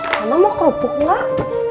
eh mama mau kerupuk gak